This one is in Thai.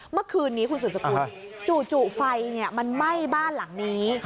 เมื่อคืนนี้คุณสุดสกุลจู่ไฟมันไหม้บ้านหลังนี้